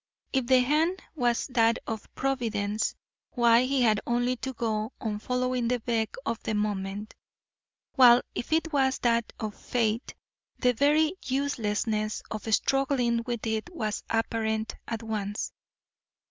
If the hand was that of Providence, why he had only to go on following the beck of the moment, while if it was that of Fate, the very uselessness of struggling with it was apparent at once.